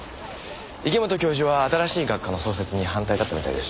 池本教授は新しい学科の創設に反対だったみたいですし。